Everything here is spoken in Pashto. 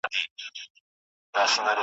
نن که دي وګړي د منبر په ریا نه نیسي .